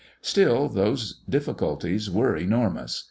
Still those difficulties were enormous.